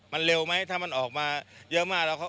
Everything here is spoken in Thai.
มันเร็วไหมถ้ามันออกมาเยอะมากแล้ว